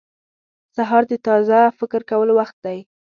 • سهار د تازه فکر کولو وخت دی.